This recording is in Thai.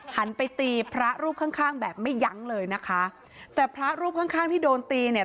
หันไปตีพระรูปข้างข้างแบบไม่ยั้งเลยนะคะแต่พระรูปข้างข้างที่โดนตีเนี่ย